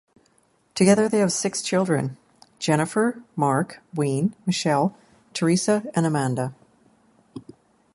Together they have six children: Jennifer, Marc, Wayne, Michele, Theresa and Amanda.